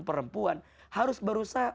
perempuan harus berusaha